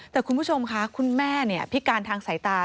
แต่คุณผู้ชมค่ะคุณแม่พิการทางสายตา